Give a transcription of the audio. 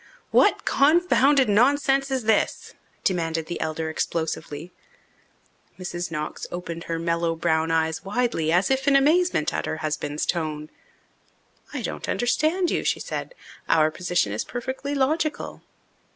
"What confounded nonsense is this?" demanded the elder explosively. Mrs. Knox opened her mellow brown eyes widely, as if in amazement at her husband's tone. "I don't understand you," she said. "Our position is perfectly logical."